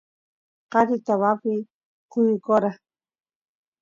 qari tabapi kuyukora